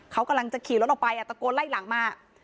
เขากำลังจะขี่รถออกไปตะโกนไล่หลังมา